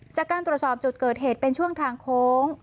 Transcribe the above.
จากการตรวจสอบจุดเกิดเหตุเป็นช่วงทางโค้ง